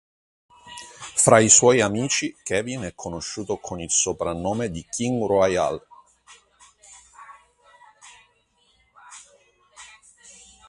Fra i suoi amici Kevin è conosciuto con il soprannome di "King Royal".